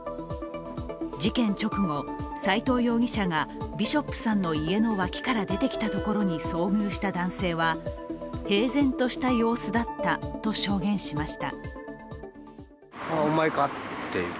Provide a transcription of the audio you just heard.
事件直後、斉藤容疑者がビショップさんの家の脇から出てきたところに遭遇した男性は、平然とした様子だったと証言しました。